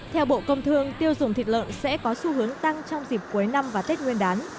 theo bộ công thương tiêu dùng thịt lợn sẽ có xu hướng tăng trong dịp cuối năm và tết nguyên đán